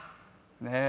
ねえ。